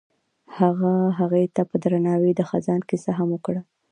هغه هغې ته په درناوي د خزان کیسه هم وکړه.